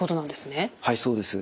はいそうです。